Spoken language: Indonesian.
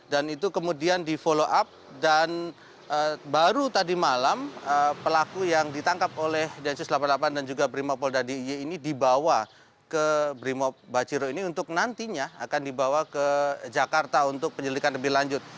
dan itu kemudian di follow up dan baru tadi malam pelaku yang ditangkap oleh densus delapan puluh delapan dan juga brimob poldadiy ini dibawa ke brimob baciro ini untuk nantinya akan dibawa ke jakarta untuk penyelidikan lebih lanjut